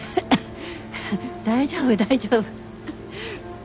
大丈夫大丈夫。